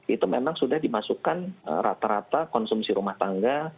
itu memang sudah dimasukkan rata rata konsumsi rumah tangga